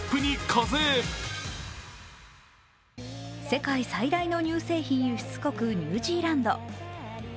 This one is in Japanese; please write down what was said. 世界最大の乳製品輸出国・ニュージーランド。